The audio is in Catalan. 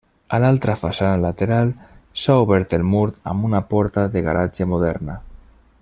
A l'altra façana lateral s'ha obert el mur amb una porta de garatge moderna.